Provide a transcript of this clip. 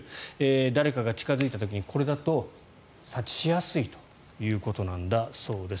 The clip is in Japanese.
誰かが近付いた時にこれだと察知しやすいということなんだそうです。